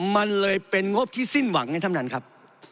มันเลยเป็นงบที่สิ้นหวังไงท่านประธานครับ